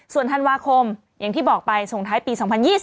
ส่วนธันวาคมอย่างที่บอกไปส่งท้ายปี๒๐๒๐